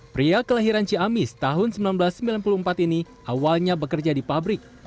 pria kelahiran ciamis tahun seribu sembilan ratus sembilan puluh empat ini awalnya bekerja di pabrik